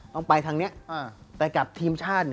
ต้องไปทางนี้แต่กับทีมชาติ